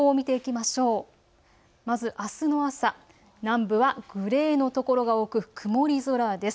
まず、あすの朝、南部はグレーの所が多く曇り空です。